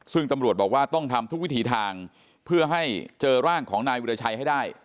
ซึ่งตำรวจบอกว่าต้องทำทุกวิถีทางเพื่อให้เจอร่างของนายวิราชัยให้ได้